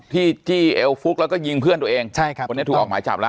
จี้เอวฟุ๊กแล้วก็ยิงเพื่อนตัวเองใช่ครับคนนี้ถูกออกหมายจับแล้ว